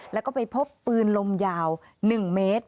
แล้วก็ไปพบปืนลมยาว๑เมตร